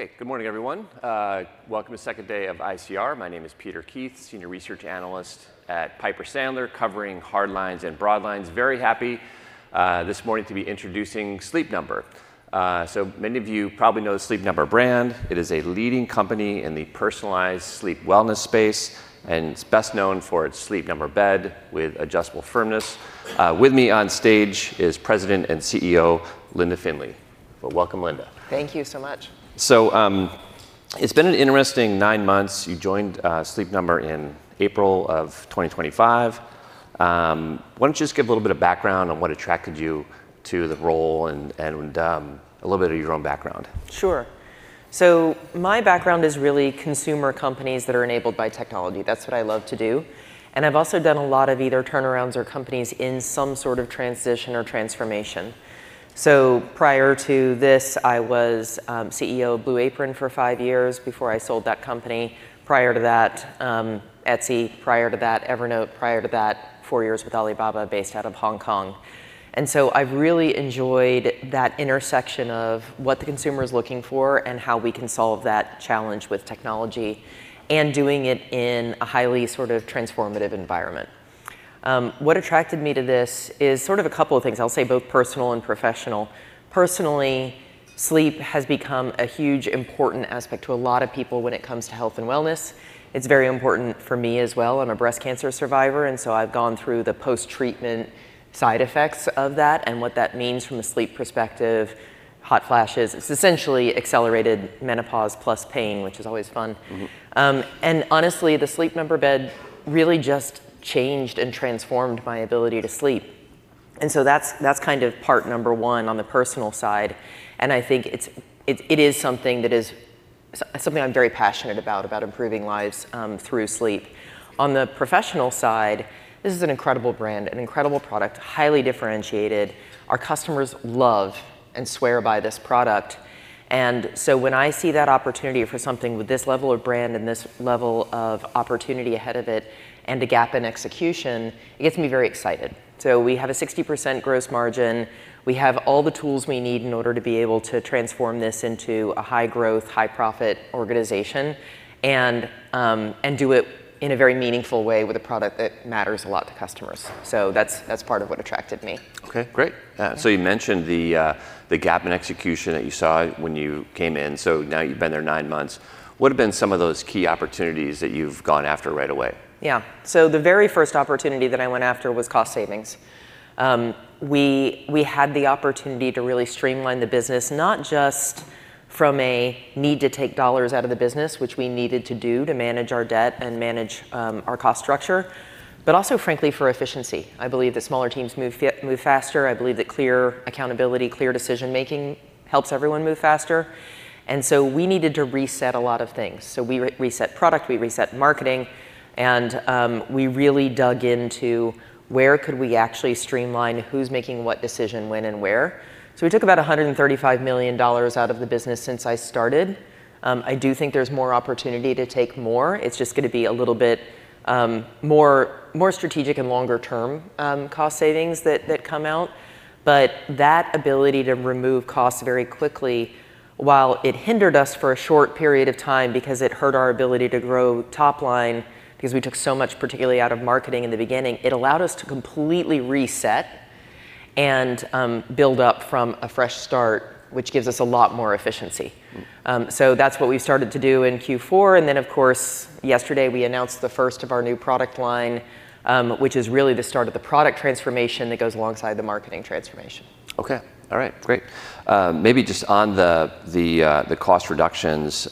Okay, good morning, everyone. Welcome to second day of ICR. My name is Peter Keith, Senior Research Analyst at Piper Sandler, covering hardlines and broadlines. Very happy this morning to be introducing Sleep Number. So many of you probably know the Sleep Number brand. It is a leading company in the personalized sleep wellness space, and it's best known for its Sleep Number bed with adjustable firmness. With me on stage is President and CEO Linda Findley. Welcome, Linda. Thank you so much. So it's been an interesting nine months. You joined Sleep Number in April of 2025. Why don't you just give a little bit of background on what attracted you to the role and a little bit of your own background? Sure. So my background is really consumer companies that are enabled by technology. That's what I love to do. And I've also done a lot of either turnarounds or companies in some sort of transition or transformation. So prior to this, I was CEO of Blue Apron for five years before I sold that company. Prior to that, Etsy. Prior to that, Evernote. Prior to that, four years with Alibaba based out of Hong Kong. And so I've really enjoyed that intersection of what the consumer is looking for and how we can solve that challenge with technology and doing it in a highly sort of transformative environment. What attracted me to this is sort of a couple of things. I'll say both personal and professional. Personally, sleep has become a huge important aspect to a lot of people when it comes to health and wellness. It's very important for me as well. I'm a breast cancer survivor, and so I've gone through the post-treatment side effects of that and what that means from a sleep perspective, hot flashes. It's essentially accelerated menopause plus pain, which is always fun. And honestly, the Sleep Number bed really just changed and transformed my ability to sleep. And so that's kind of part number one on the personal side. And I think it is something that is something I'm very passionate about, about improving lives through sleep. On the professional side, this is an incredible brand, an incredible product, highly differentiated. Our customers love and swear by this product. And so when I see that opportunity for something with this level of brand and this level of opportunity ahead of it and a gap in execution, it gets me very excited. So we have a 60% gross margin. We have all the tools we need in order to be able to transform this into a high-growth, high-profit organization and do it in a very meaningful way with a product that matters a lot to customers. So that's part of what attracted me. Okay, great. So you mentioned the gap in execution that you saw when you came in. So now you've been there nine months. What have been some of those key opportunities that you've gone after right away? Yeah, so the very first opportunity that I went after was cost savings. We had the opportunity to really streamline the business, not just from a need to take dollars out of the business, which we needed to do to manage our debt and manage our cost structure, but also, frankly, for efficiency. I believe that smaller teams move faster. I believe that clear accountability, clear decision-making helps everyone move faster. And so we needed to reset a lot of things. So we reset product, we reset marketing, and we really dug into where could we actually streamline who's making what decision, when and where. So we took about $135 million out of the business since I started. I do think there's more opportunity to take more. It's just going to be a little bit more strategic and longer-term cost savings that come out. But that ability to remove costs very quickly, while it hindered us for a short period of time because it hurt our ability to grow topline because we took so much, particularly out of marketing in the beginning, it allowed us to completely reset and build up from a fresh start, which gives us a lot more efficiency. So that's what we started to do in Q4. And then, of course, yesterday we announced the first of our new product line, which is really the start of the product transformation that goes alongside the marketing transformation. Okay, all right, great. Maybe just on the cost reductions,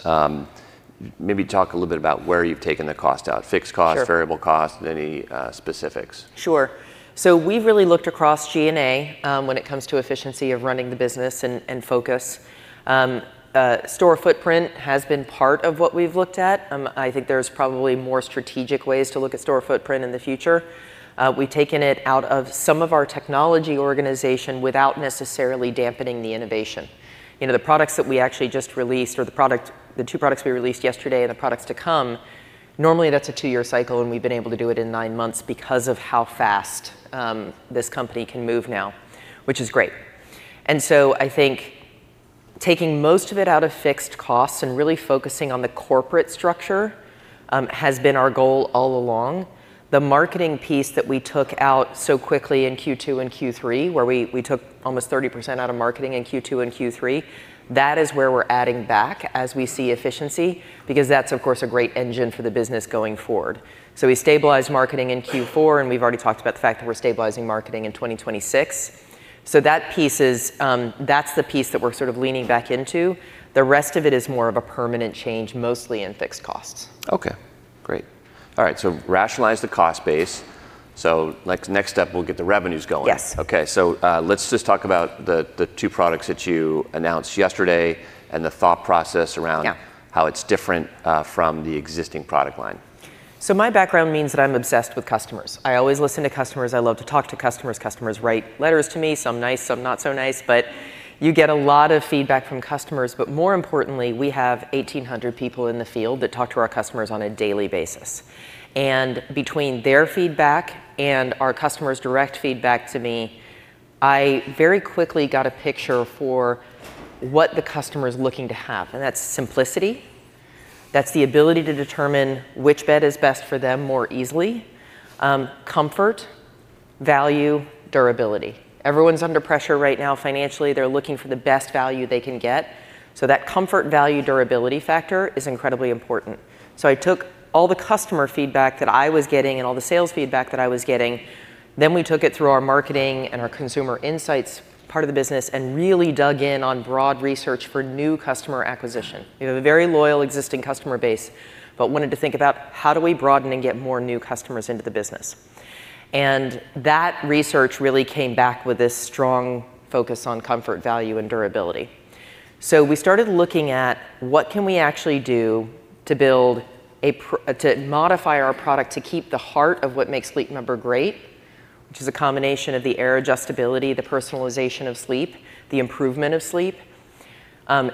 maybe talk a little bit about where you've taken the cost out, fixed cost, variable cost, any specifics. Sure. So we've really looked across G&A when it comes to efficiency of running the business and focus. Store footprint has been part of what we've looked at. I think there's probably more strategic ways to look at store footprint in the future. We've taken it out of some of our technology organization without necessarily dampening the innovation. The products that we actually just released or the two products we released yesterday and the products to come, normally that's a two-year cycle, and we've been able to do it in nine months because of how fast this company can move now, which is great, and so I think taking most of it out of fixed costs and really focusing on the corporate structure has been our goal all along. The marketing piece that we took out so quickly in Q2 and Q3, where we took almost 30% out of marketing in Q2 and Q3, that is where we're adding back as we see efficiency because that's, of course, a great engine for the business going forward. So we stabilized marketing in Q4, and we've already talked about the fact that we're stabilizing marketing in 2026. So that piece is, that's the piece that we're sort of leaning back into. The rest of it is more of a permanent change, mostly in fixed costs. Okay, great. All right, so rationalize the cost base. So next step, we'll get the revenues going. Yes. Okay, so let's just talk about the two products that you announced yesterday and the thought process around how it's different from the existing product line. So my background means that I'm obsessed with customers. I always listen to customers. I love to talk to customers. Customers write letters to me, some nice, some not so nice, but you get a lot of feedback from customers. But more importantly, we have 1,800 people in the field that talk to our customers on a daily basis. And between their feedback and our customers' direct feedback to me, I very quickly got a picture for what the customer is looking to have. And that's simplicity. That's the ability to determine which bed is best for them more easily. Comfort, value, durability. Everyone's under pressure right now financially. They're looking for the best value they can get. So that comfort, value, durability factor is incredibly important. So I took all the customer feedback that I was getting and all the sales feedback that I was getting. Then we took it through our marketing and our consumer insights part of the business and really dug in on broad research for new customer acquisition. We have a very loyal existing customer base, but wanted to think about how do we broaden and get more new customers into the business. That research really came back with this strong focus on comfort, value, and durability. We started looking at what can we actually do to modify our product to keep the heart of what makes Sleep Number great, which is a combination of the air adjustability, the personalization of sleep, the improvement of sleep,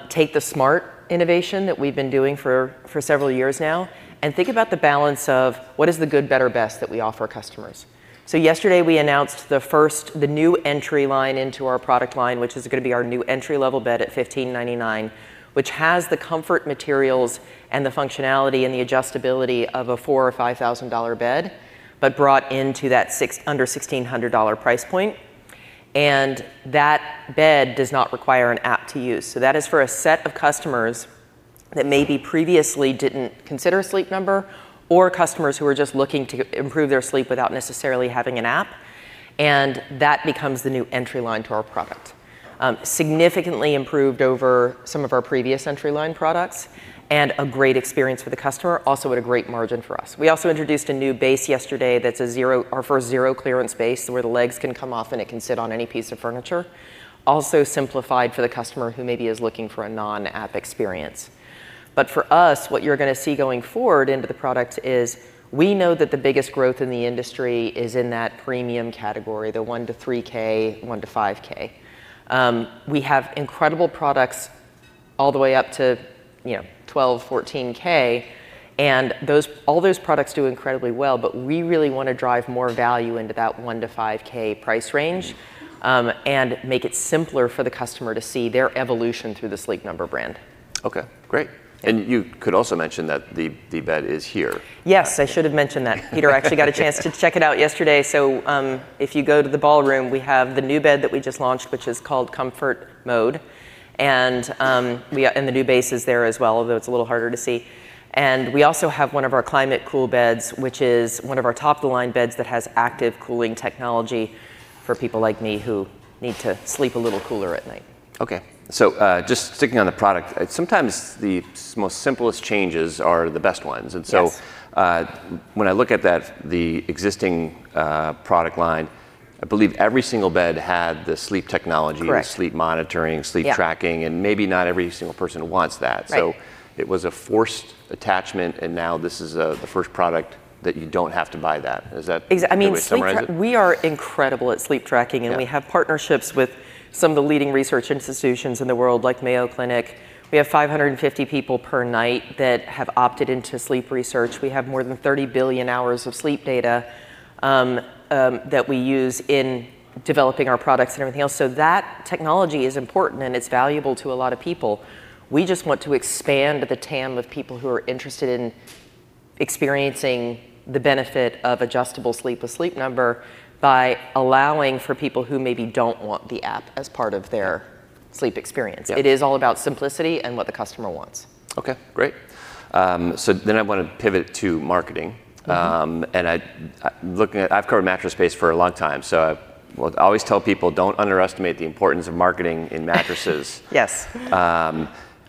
take the smart innovation that we've been doing for several years now, and think about the balance of what is the good, better, best that we offer customers. Yesterday we announced the new entry line into our product line, which is going to be our new entry-level bed at $1,599, which has the comfort materials and the functionality and the adjustability of a $4,000 or $5,000 bed, but brought into that under $1,600 price point. That bed does not require an app to use. That is for a set of customers that maybe previously didn't consider Sleep Number or customers who are just looking to improve their sleep without necessarily having an app. That becomes the new entry line to our product. It is significantly improved over some of our previous entry line products and a great experience for the customer, also at a great margin for us. We also introduced a new base yesterday that's our first zero-clearance base where the legs can come off and it can sit on any piece of furniture. Also simplified for the customer who maybe is looking for a non-app experience. But for us, what you're going to see going forward into the product is we know that the biggest growth in the industry is in that premium category, the $1,000-$3,000, $1,000-$5,000. We have incredible products all the way up to $1,000, and all those products do incredibly well, but we really want to drive more value into that $1,000-$5,000 price range and make it simpler for the customer to see their evolution through the Sleep Number brand. Okay, great, and you could also mention that the bed is here. Yes, I should have mentioned that. Peter actually got a chance to check it out yesterday. So if you go to the ballroom, we have the new bed that we just launched, which is called Comfort Mode. And the new base is there as well, although it's a little harder to see. And we also have one of our Climate Series beds, which is one of our top-of-the-line beds that has active cooling technology for people like me who need to sleep a little cooler at night. Okay, so just sticking on the product, sometimes the most simplest changes are the best ones. And so when I look at the existing product line, I believe every single bed had the sleep technology, sleep monitoring, sleep tracking, and maybe not every single person wants that. So it was a forced attachment, and now this is the first product that you don't have to buy that. Is that? I mean, we are incredible at sleep tracking, and we have partnerships with some of the leading research institutions in the world like Mayo Clinic. We have 550 people per night that have opted into sleep research. We have more than 30 billion hours of sleep data that we use in developing our products and everything else. So that technology is important and it's valuable to a lot of people. We just want to expand the TAM of people who are interested in experiencing the benefit of adjustable sleep with Sleep Number by allowing for people who maybe don't want the app as part of their sleep experience. It is all about simplicity and what the customer wants. Okay, great. So then I want to pivot to marketing, and I've covered mattress space for a long time, so I always tell people, don't underestimate the importance of marketing in mattresses. Yes.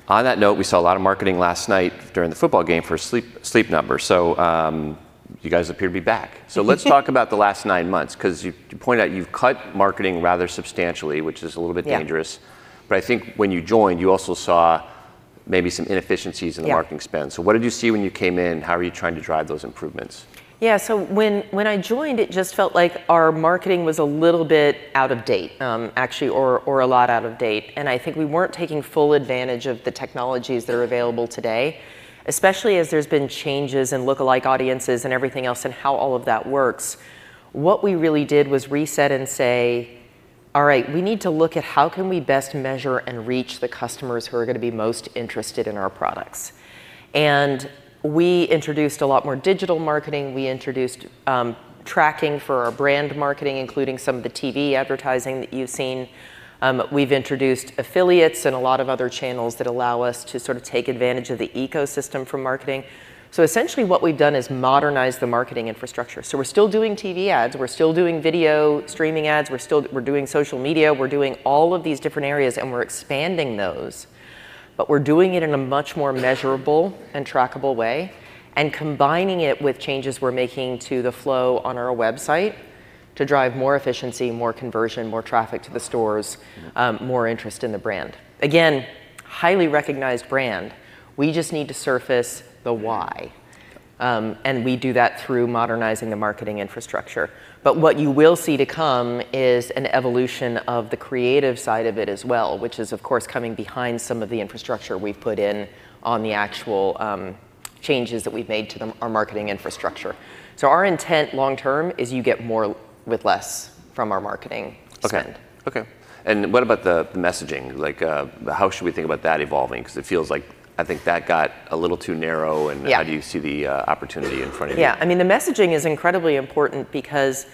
On that note, we saw a lot of marketing last night during the football game for Sleep Number. So you guys appear to be back. So let's talk about the last nine months because you point out you've cut marketing rather substantially, which is a little bit dangerous. But I think when you joined, you also saw maybe some inefficiencies in the marketing spend. So what did you see when you came in? How are you trying to drive those improvements? Yeah, so when I joined, it just felt like our marketing was a little bit out of date, actually, or a lot out of date, and I think we weren't taking full advantage of the technologies that are available today, especially as there's been changes in lookalike audiences and everything else and how all of that works. What we really did was reset and say, all right, we need to look at how can we best measure and reach the customers who are going to be most interested in our products, and we introduced a lot more digital marketing. We introduced tracking for our brand marketing, including some of the TV advertising that you've seen. We've introduced affiliates and a lot of other channels that allow us to sort of take advantage of the ecosystem for marketing, so essentially what we've done is modernize the marketing infrastructure. We're still doing TV ads. We're still doing video streaming ads. We're doing social media. We're doing all of these different areas, and we're expanding those. We're doing it in a much more measurable and trackable way and combining it with changes we're making to the flow on our website to drive more efficiency, more conversion, more traffic to the stores, more interest in the brand. Again, highly recognized brand. We just need to surface the why. We do that through modernizing the marketing infrastructure. What you will see to come is an evolution of the creative side of it as well, which is, of course, coming behind some of the infrastructure we've put in on the actual changes that we've made to our marketing infrastructure. Our intent long-term is you get more with less from our marketing spend. Okay, okay. And what about the messaging? Like, how should we think about that evolving? Because it feels like I think that got a little too narrow. And how do you see the opportunity in front of you? Yeah, I mean, the messaging is incredibly important because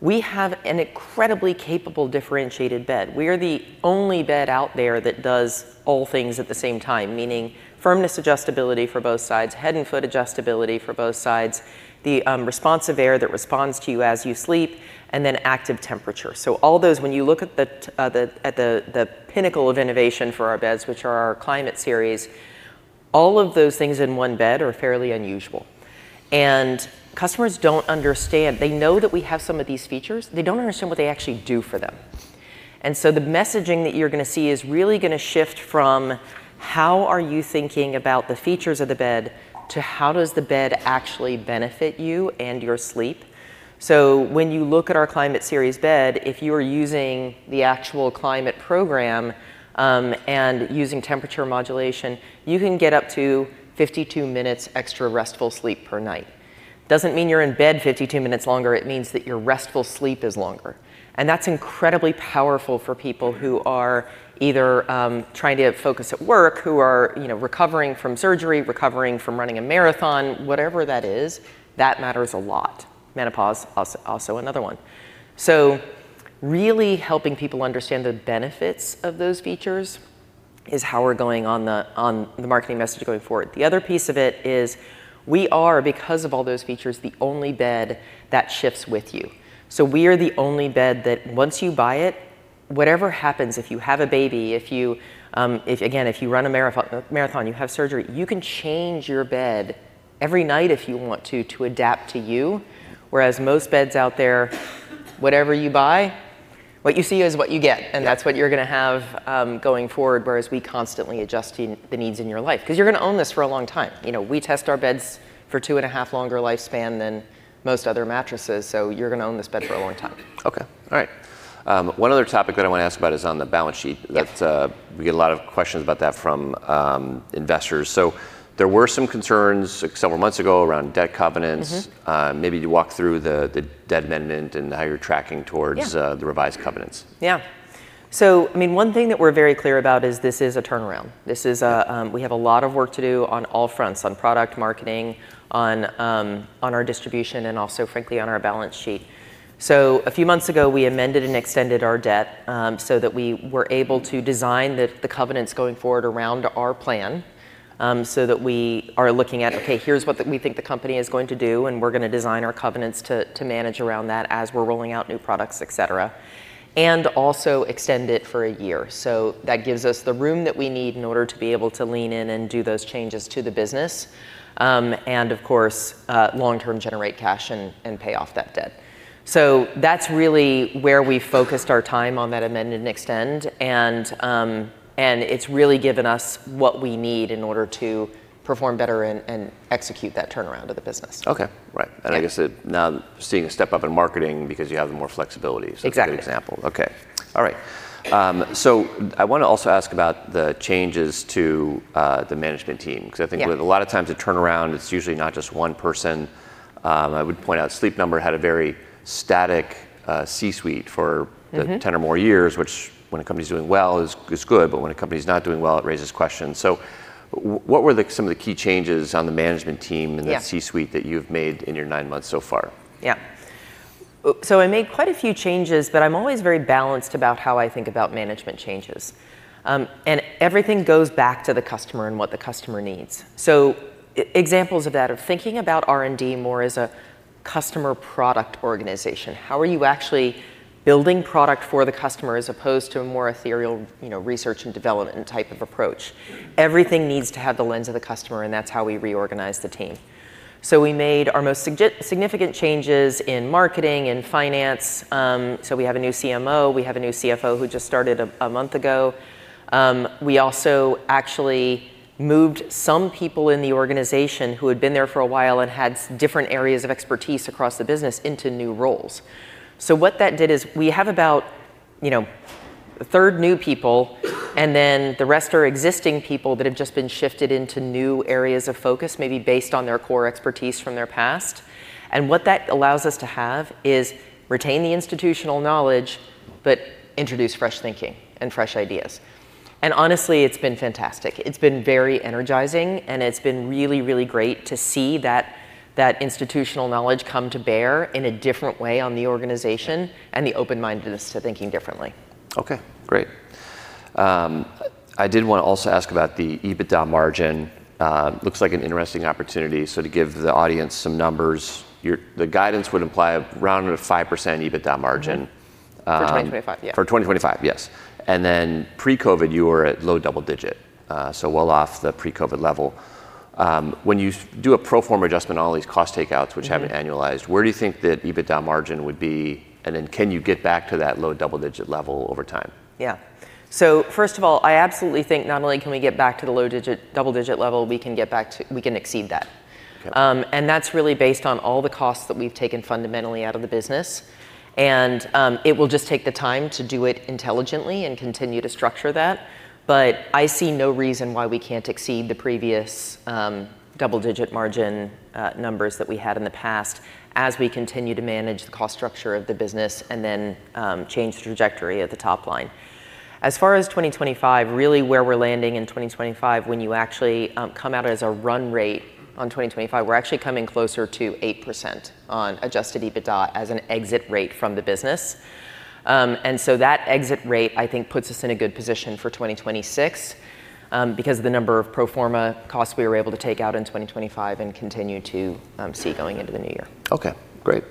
we have an incredibly capable differentiated bed. We are the only bed out there that does all things at the same time, meaning firmness adjustability for both sides, head and foot adjustability for both sides, the Responsive Air that responds to you as you sleep, and then active temperature. So all those, when you look at the pinnacle of innovation for our beds, which are our Climate Series, all of those things in one bed are fairly unusual. And customers don't understand. They know that we have some of these features. They don't understand what they actually do for them. And so the messaging that you're going to see is really going to shift from how are you thinking about the features of the bed to how does the bed actually benefit you and your sleep. So when you look at our Climate Series bed, if you are using the actual climate program and using temperature modulation, you can get up to 52 minutes extra restful sleep per night. Doesn't mean you're in bed 52 minutes longer. It means that your restful sleep is longer. And that's incredibly powerful for people who are either trying to focus at work, who are recovering from surgery, recovering from running a marathon, whatever that is, that matters a lot. Menopause is also another one. So really helping people understand the benefits of those features is how we're going on the marketing message going forward. The other piece of it is we are, because of all those features, the only bed that shifts with you. So we are the only bed that once you buy it, whatever happens, if you have a baby, if you, again, if you run a marathon, you have surgery, you can change your bed every night if you want to, to adapt to you. Whereas most beds out there, whatever you buy, what you see is what you get. And that's what you're going to have going forward, whereas we constantly adjust to the needs in your life because you're going to own this for a long time. We test our beds for two and a half longer lifespan than most other mattresses. So you're going to own this bed for a long time. Okay, all right. One other topic that I want to ask about is on the balance sheet. We get a lot of questions about that from investors. So there were some concerns several months ago around debt covenants. Maybe you walk through the debt amendment and how you're tracking towards the revised covenants. Yeah. So I mean, one thing that we're very clear about is this is a turnaround. We have a lot of work to do on all fronts, on product marketing, on our distribution, and also, frankly, on our balance sheet. So a few months ago, we amended and extended our debt so that we were able to design the covenants going forward around our plan so that we are looking at, okay, here's what we think the company is going to do, and we're going to design our covenants to manage around that as we're rolling out new products, et cetera, and also extend it for a year. So that gives us the room that we need in order to be able to lean in and do those changes to the business and, of course, long-term generate cash and pay off that debt. So that's really where we focused our time on that amend and extend. And it's really given us what we need in order to perform better and execute that turnaround of the business. Okay, right, and I guess now seeing a step up in marketing because you have more flexibility. Exactly. So good example. Okay, all right. So I want to also ask about the changes to the management team because I think a lot of times a turnaround, it's usually not just one person. I would point out Sleep Number had a very static C-suite for 10 or more years, which when a company is doing well is good, but when a company is not doing well, it raises questions. So what were some of the key changes on the management team and that C-suite that you've made in your nine months so far? Yeah. So I made quite a few changes, but I'm always very balanced about how I think about management changes. And everything goes back to the customer and what the customer needs. So examples of that are thinking about R&D more as a customer product organization. How are you actually building product for the customer as opposed to a more ethereal research and development type of approach? Everything needs to have the lens of the customer, and that's how we reorganize the team. So we made our most significant changes in marketing and finance. So we have a new CMO. We have a new CFO who just started a month ago. We also actually moved some people in the organization who had been there for a while and had different areas of expertise across the business into new roles. So what that did is we have about a third new people, and then the rest are existing people that have just been shifted into new areas of focus, maybe based on their core expertise from their past. And what that allows us to have is retain the institutional knowledge, but introduce fresh thinking and fresh ideas. And honestly, it's been fantastic. It's been very energizing, and it's been really, really great to see that institutional knowledge come to bear in a different way on the organization and the open-mindedness to thinking differently. Okay, great. I did want to also ask about the EBITDA margin. Looks like an interesting opportunity. So to give the audience some numbers, the guidance would imply around 5% EBITDA margin. For 2025, yeah. For 2025, yes. And then pre-COVID, you were at low double digit, so well off the pre-COVID level. When you do a pro forma adjustment on all these cost takeouts, which have an annualized, where do you think that EBITDA margin would be? And then can you get back to that low double digit level over time? Yeah, so first of all, I absolutely think not only can we get back to the low double digit level, we can get back to, we can exceed that. And that's really based on all the costs that we've taken fundamentally out of the business. And it will just take the time to do it intelligently and continue to structure that. But I see no reason why we can't exceed the previous double digit margin numbers that we had in the past as we continue to manage the cost structure of the business and then change the trajectory at the top line. As far as 2025, really where we're landing in 2025, when you actually come out as a run rate on 2025, we're actually coming closer to 8% on adjusted EBITDA as an exit rate from the business. That exit rate, I think, puts us in a good position for 2026 because of the number of pro forma costs we were able to take out in 2025 and continue to see going into the new year. Okay, great.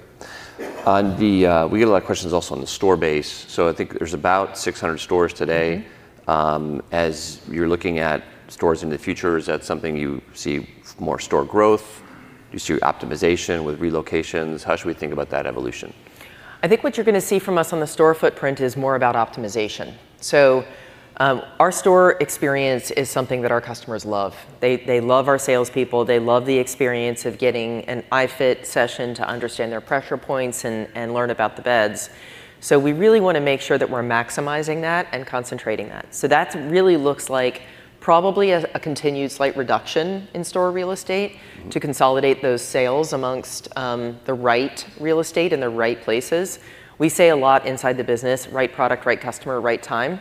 We get a lot of questions also on the store base. So I think there's about 600 stores today. As you're looking at stores into the future, is that something you see more store growth? Do you see optimization with relocations? How should we think about that evolution? I think what you're going to see from us on the store footprint is more about optimization. So our store experience is something that our customers love. They love our salespeople. They love the experience of getting an IndividualFit session to understand their pressure points and learn about the beds. So we really want to make sure that we're maximizing that and concentrating that. So that really looks like probably a continued slight reduction in store real estate to consolidate those sales amongst the right real estate in the right places. We say a lot inside the business, right product, right customer, right time,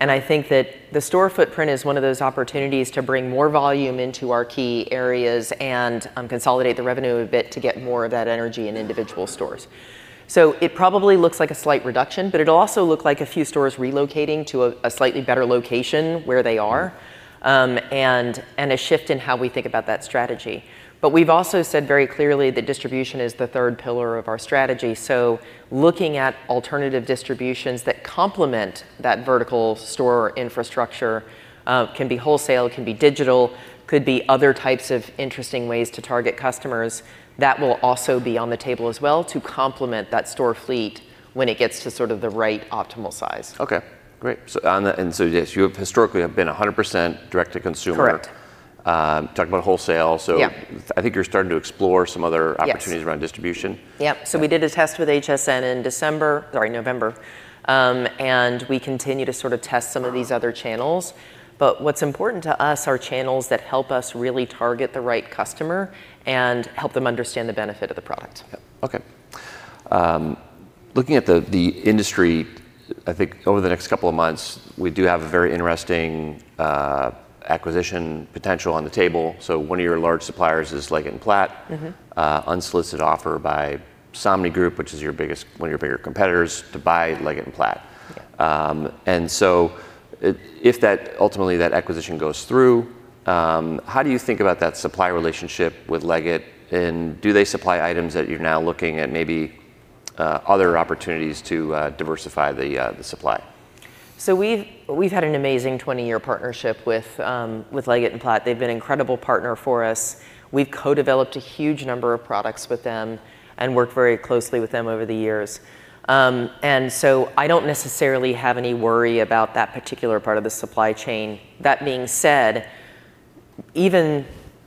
and I think that the store footprint is one of those opportunities to bring more volume into our key areas and consolidate the revenue a bit to get more of that energy in individual stores. So it probably looks like a slight reduction, but it'll also look like a few stores relocating to a slightly better location where they are and a shift in how we think about that strategy. But we've also said very clearly that distribution is the third pillar of our strategy. So looking at alternative distributions that complement that vertical store infrastructure can be wholesale, can be digital, could be other types of interesting ways to target customers that will also be on the table as well to complement that store fleet when it gets to sort of the right optimal size. Okay, great, and so you historically have been 100% direct-to-consumer. Correct. Talking about wholesale. So I think you're starting to explore some other opportunities around distribution. Yep. So we did a test with HSN in December, sorry, November, and we continue to sort of test some of these other channels. But what's important to us are channels that help us really target the right customer and help them understand the benefit of the product. Okay. Looking at the industry, I think over the next couple of months, we do have a very interesting acquisition potential on the table. So one of your large suppliers is Leggett & Platt, unsolicited offer by Somni Group, which is one of your bigger competitors to buy Leggett & Platt. And so if that ultimately that acquisition goes through, how do you think about that supply relationship with Leggett? And do they supply items that you're now looking at, maybe other opportunities to diversify the supply? So we've had an amazing 20-year partnership with Leggett & Platt. They've been an incredible partner for us. We've co-developed a huge number of products with them and worked very closely with them over the years. And so I don't necessarily have any worry about that particular part of the supply chain. That being said, even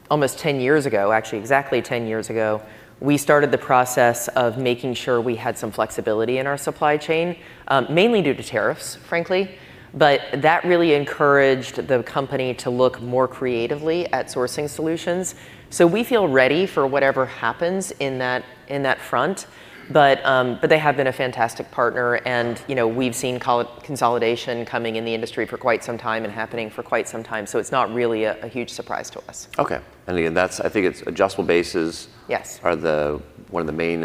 almost 10 years ago, actually exactly 10 years ago, we started the process of making sure we had some flexibility in our supply chain, mainly due to tariffs, frankly, but that really encouraged the company to look more creatively at sourcing solutions. So we feel ready for whatever happens in that front. But they have been a fantastic partner. And we've seen consolidation coming in the industry for quite some time and happening for quite some time. So it's not really a huge surprise to us. Okay. And again, I think it's adjustable bases are one of the main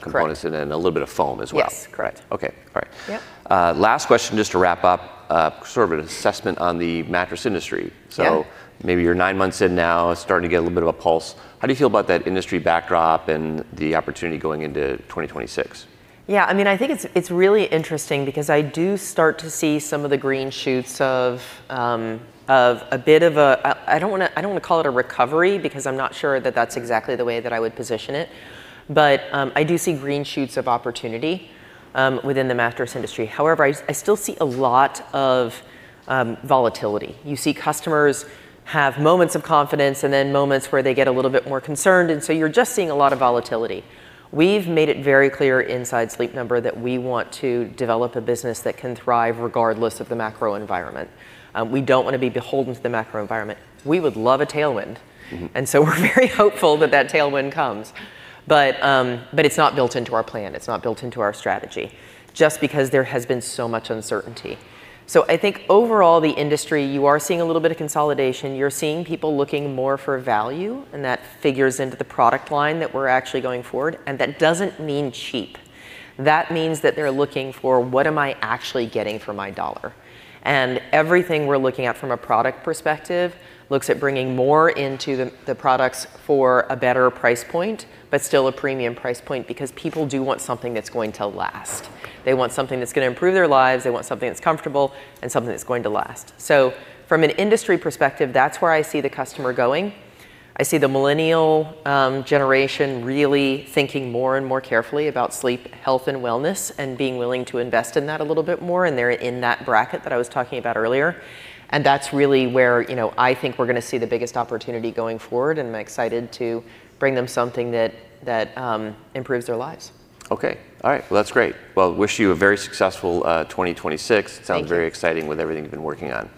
components and a little bit of foam as well. Yes, correct. Okay, all right. Last question just to wrap up, sort of an assessment on the mattress industry. So maybe you're nine months in now, starting to get a little bit of a pulse. How do you feel about that industry backdrop and the opportunity going into 2026? Yeah, I mean, I think it's really interesting because I do start to see some of the green shoots of a bit of a, I don't want to call it a recovery because I'm not sure that that's exactly the way that I would position it. But I do see green shoots of opportunity within the mattress industry. However, I still see a lot of volatility. You see customers have moments of confidence and then moments where they get a little bit more concerned. And so you're just seeing a lot of volatility. We've made it very clear inside Sleep Number that we want to develop a business that can thrive regardless of the macro environment. We don't want to be beholden to the macro environment. We would love a tailwind. And so we're very hopeful that that tailwind comes. But it's not built into our plan. It's not built into our strategy just because there has been so much uncertainty, so I think overall, the industry, you are seeing a little bit of consolidation. You're seeing people looking more for value, and that figures into the product line that we're actually going forward, and that doesn't mean cheap. That means that they're looking for, what am I actually getting for my dollar? And everything we're looking at from a product perspective looks at bringing more into the products for a better price point, but still a premium price point because people do want something that's going to last. They want something that's going to improve their lives. They want something that's comfortable and something that's going to last, so from an industry perspective, that's where I see the customer going. I see the millennial generation really thinking more and more carefully about sleep, health, and wellness and being willing to invest in that a little bit more. And they're in that bracket that I was talking about earlier. And that's really where I think we're going to see the biggest opportunity going forward. And I'm excited to bring them something that improves their lives. Okay, all right. Well, that's great. Well, wish you a very successful 2026. It sounds very exciting with everything you've been working on.